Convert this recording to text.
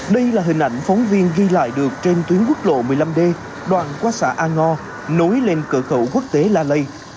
đây là hình ảnh phóng viên ghi lại được trên tuyến quốc lộ một mươi năm d đoạn qua xã a ngo nối lên cửa khẩu quốc tế la lây